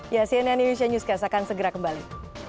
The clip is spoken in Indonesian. ya cnn indonesia newscast akan segera kembali